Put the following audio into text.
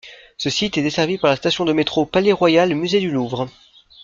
Ce site est desservi par la station de métro Palais-Royal - Musée du Louvre.